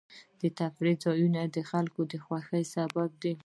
د تفریح ځایونه د خلکو د خوښۍ سبب دي.